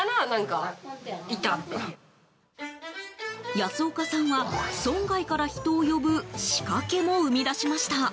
安岡さんは、村外から人を呼ぶ仕掛けも生み出しました。